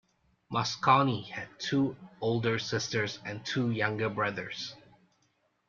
Mosconi had two older sisters and two younger brothers.